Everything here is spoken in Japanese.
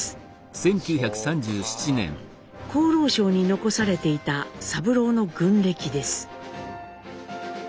厚労省に残されていた三郎の軍歴です。